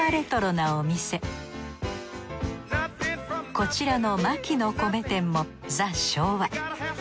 こちらの牧野米店もザ昭和。